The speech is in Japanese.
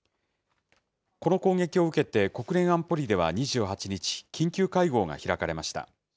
この攻撃を受けて国連安保理では２８日、緊急会合が開かれました。